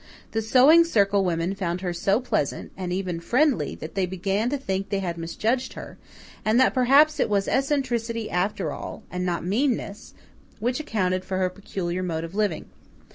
The Sewing Circle women found her so pleasant, and even friendly, that they began to think they had misjudged her, and that perhaps it was eccentricity after all, and not meanness, which accounted for her peculiar mode of living.